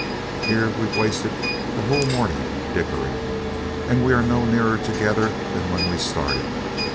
Here we've wasted the whole morning dickering, and are no nearer together than when we started.